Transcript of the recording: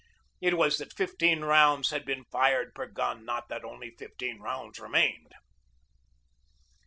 It was that fifteen rounds had been fired per gun, not that only fifteen rounds remained.